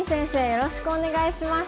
よろしくお願いします。